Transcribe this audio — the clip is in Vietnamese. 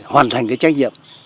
hoàn thành cái trách nhiệm